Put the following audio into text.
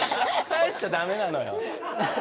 帰っちゃダメなのよ。